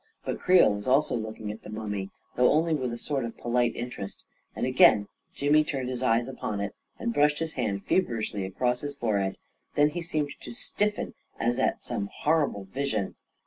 But Creel also was looking at the mummy, though only with a sort of polite interest; and again Jimmy turned his eyes upon it, and brushed his hand fever ishly across his forehead; then he seemed to stiffen, as at some horrible vision